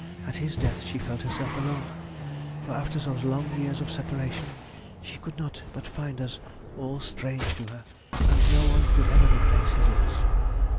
At his death she felt herself alone. For after those long years of separation she could not but find us all strange to her, and no one could ever replace his loss.